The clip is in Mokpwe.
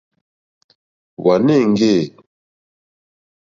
Wàná èŋɡê.